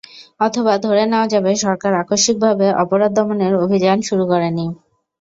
অথবা ধরে নেওয়া যাবে, সরকার আকস্মিকভাবে অপরাধ দমনের অভিযান শুরু করেনি।